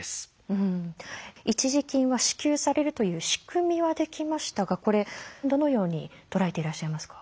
一時金は支給されるという仕組みはできましたがこれどのように捉えていらっしゃいますか？